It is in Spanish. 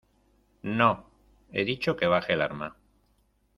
¡ no! he dicho que baje el arma.